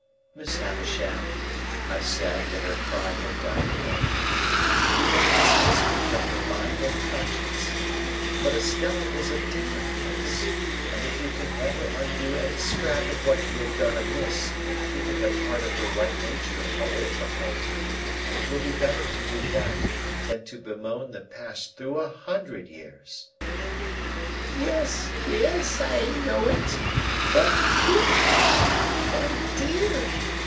"Miss Havisham," I said, when her cry had died away, "you may dismiss me from your mind and conscience. But Estella is a different case, and if you can ever undo any scrap of what you have done amiss in keeping a part of her right nature away from her, it will be better to do that than to bemoan the past through a hundred years." "Yes, yes, I know it. But, Pip—my dear!"